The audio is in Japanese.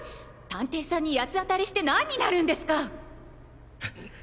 探偵さんに八つ当たりしてなんになるんですか！